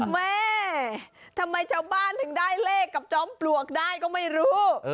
แม่ทำไมชาวบ้านถึงได้เลขกับจอมปลวกได้ก็ไม่รู้